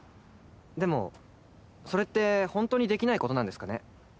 でもそれってホントにできないことなんですかね？